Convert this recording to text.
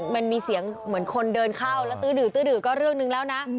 มันมีเสียงเหมือนคนเดินเข้าแล้วตื้อก็เรื่องนึงแล้วนะ